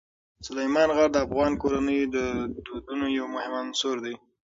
سلیمان غر د افغان کورنیو د دودونو یو مهم عنصر دی.